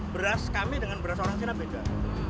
beras kami dengan beras orang cina beda